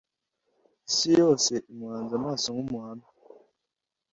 Isi yose imuhanze amaso nk’umuhamya